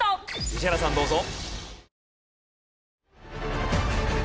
宇治原さんどうぞ。